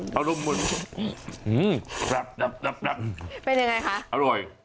เป็นยังไงคะอร่อย